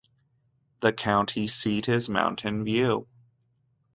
The county seat is Mountain View.